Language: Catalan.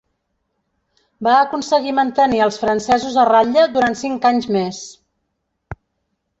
Va aconseguir mantenir als francesos a ratlla durant cinc anys més.